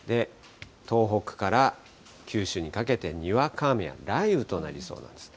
東北から九州にかけて、にわか雨や雷雨となりそうなんです。